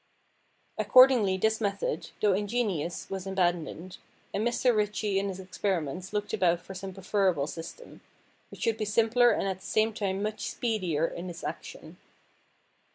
Accordingly this method, though ingenious, was abandoned, and Mr. Ritchie in his experiments looked about for some preferable system, which should be simpler and at the same time much speedier in its action.